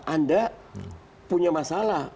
anda punya masalah